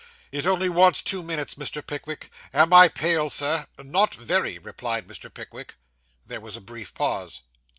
'It only wants two minutes, Mr. Pickwick. Am I pale, Sir?' 'Not very,' replied Mr. Pickwick. There was a brief pause.